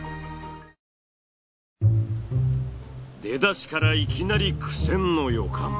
出だしからいきなり苦戦の予感。